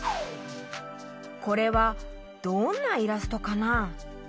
これはどんなイラストかな？